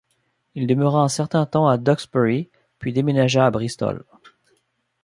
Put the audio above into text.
Il demeura un certain temps à Duxbury puis déménagea à Bristol.